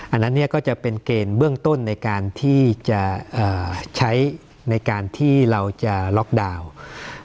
อันนั้นเนี่ยก็จะเป็นเกณฑ์เบื้องต้นในการที่จะใช้ในการที่เราจะล็อกดาวน์